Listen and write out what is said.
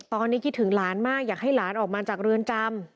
ตอนนี้คิดถึงหลานมากอยากให้หลานออกมาจากเรือนจำ